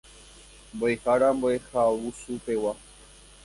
Mboʼehára Mboʼehaovusupegua.